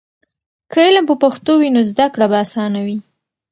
که علم په پښتو وي، نو زده کړه به اسانه وي.